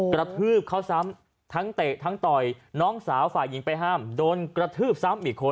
กระทืบเขาซ้ำทั้งเตะทั้งต่อยน้องสาวฝ่ายหญิงไปห้ามโดนกระทืบซ้ำอีกคน